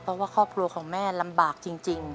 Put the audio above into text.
เพราะว่าครอบครัวของแม่ลำบากจริง